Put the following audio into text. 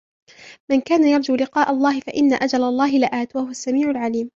من كان يرجو لقاء الله فإن أجل الله لآت وهو السميع العليم